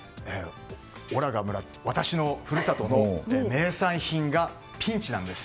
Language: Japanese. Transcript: おらが村、私の故郷の名産品がピンチなんです。